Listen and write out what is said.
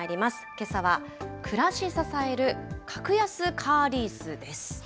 けさは、暮らし支える格安カーリースです。